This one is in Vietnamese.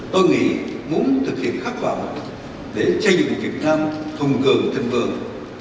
tôi nghĩ muốn thực hiện khắc phạm để xây dựng việt nam thùng cường thịnh vượng